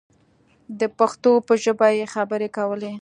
د پښتو په ژبه یې خبرې کولې.